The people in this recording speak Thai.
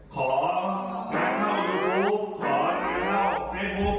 ขอแนะนำยูทูปขอแนะนำเฟซบุ๊ค